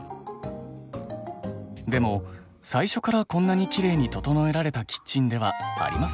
でも最初からこんなにきれいに整えられたキッチンではありませんでした。